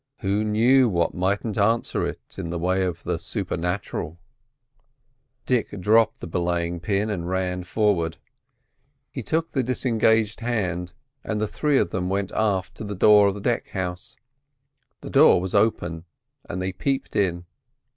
Who knew what mightn't answer it in the way of the supernatural? Dick dropped the belaying pin and ran forward. He took the disengaged hand, and the three went aft to the door of the deck house. The door was open, and they peeped in.